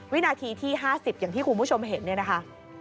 วินาทีที่๕๐อย่างที่คุณผู้ชมเห็นเนี่ยนะคะ